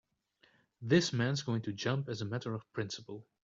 This man's going to jump as a matter of principle.